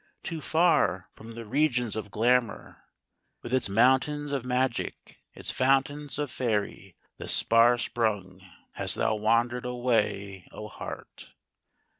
too far from the regions of glamour, With its mountains of magic, its fountains of faery, the spar sprung, Hast thou wandered away, O Heart!